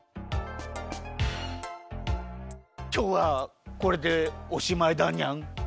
きょうはこれでおしまいだにゃん。